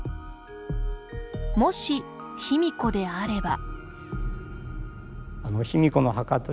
もし、卑弥呼であれば。